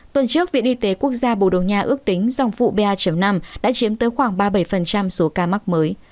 tuần trước viện y tế quốc gia bồ đầu nha ước tính dòng vụ ba năm đã chiếm tới khoảng ba mươi bảy số ca mắc mới